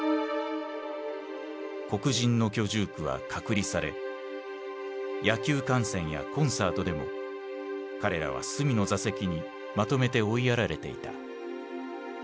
黒人の居住区は隔離され野球観戦やコンサートでも彼らは隅の座席にまとめて追いやられていた。